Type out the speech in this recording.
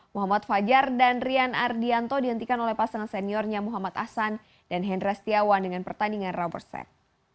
muhammad fajar dan rian ardianto dihentikan oleh pasangan seniornya muhammad ahsan dan hendra setiawan dengan pertandingan rubber set